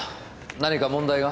何か問題が？